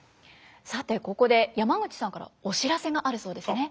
さてここで山口さんからお知らせがあるそうですね。